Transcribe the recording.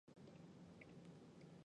曾任秘书省钩考算经文字臣。